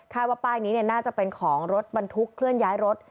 ว่าป้ายนี้น่าจะเป็นของรถบรรทุกเคลื่อนย้ายรถ